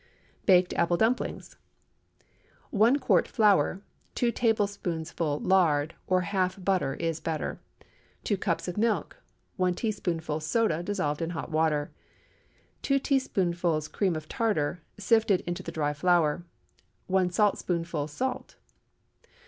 BAKED APPLE DUMPLINGS. ✠ 1 quart flour. 2 tablespoonfuls lard—or half butter is better. 2 cups of milk. 1 teaspoonful soda, dissolved in hot water. 2 teaspoonfuls cream tartar sifted into the dry flour. 1 saltspoonful salt.